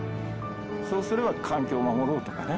そうすれば環境を守ろうとかね